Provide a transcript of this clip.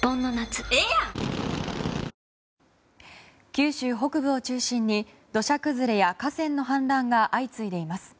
九州北部を中心に土砂崩れや河川の氾濫が相次いでいます。